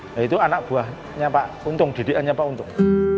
nah itu anak buahnya pak untung didikannya pak untung